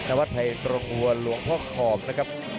วัดไทยตรงหัวหลวงพ่อขอบนะครับ